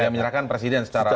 menyerahkan presiden secara ini